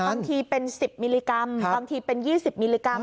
บางทีเป็น๑๐มิลลิกรัมบางทีเป็น๒๐มิลลิกรัม